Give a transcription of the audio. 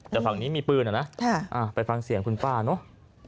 แต่ฝั่งนี้มีปืนอ่ะนะไปฟังเสียงคุณป้าเนอะ